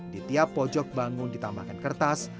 di tiap pojok bangun ditambahkan kertas